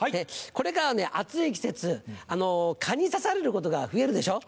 これから暑い季節蚊に刺されることが増えるでしょ。